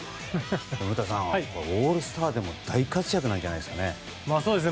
古田さんオールスターでも大活躍じゃないんですか。